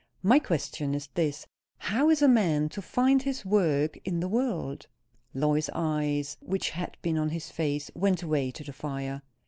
"My question is this: How is a man to find his work in the world?" Lois's eyes, which had been on his face, went away to the fire.